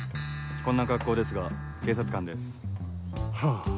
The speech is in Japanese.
こんな格好ですが警察官です。はあ。